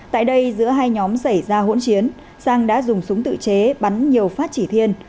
tại đây giữa hai nhóm xảy ra hỗn chiến sang đã dùng súng tự chế bắn nhiều phát chỉ thiên